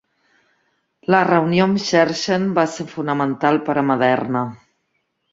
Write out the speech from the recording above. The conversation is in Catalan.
La reunió amb Scherchen va ser fonamental per a Maderna.